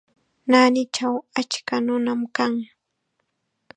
Naanichaw achka nunam kan.